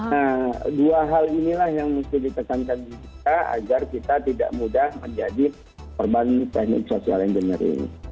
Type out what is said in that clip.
nah dua hal inilah yang mesti ditekankan agar kita tidak mudah menjadi korban teknik social engineering